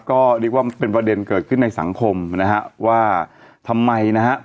ก็เรียกว่ามันเป็นประเด็นเกิดขึ้นในสังคมนะฮะว่าทำไมนะฮะ